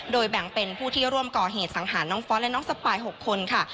โดยแบ่งเป็นผู้ที่ร่วมก่อเหตุสังหารน้องฟอสและน้องสปาย๖คนค่ะ